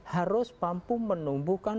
harus mampu menumbuhkan